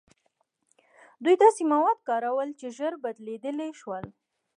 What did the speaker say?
دوی داسې مواد کارول چې ژر بدلیدلی شول.